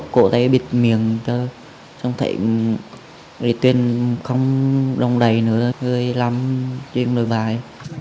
cô ấy bịt miệng cho xong thì tuyên không đông đầy nữa hơi lắm trên đôi bài